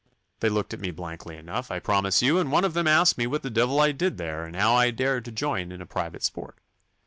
They looked at me blankly enough, I promise you, and one of them asked me what the devil I did there, and how I dared to join in a private sport.